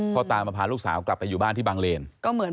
พ่อตามาพาลูกสาวกลับไปอยู่บ้านที่บางเลน